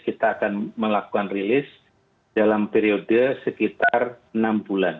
kita akan melakukan rilis dalam periode sekitar enam bulan